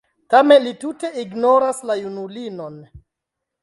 Tamen li tute ignoras la junulinon.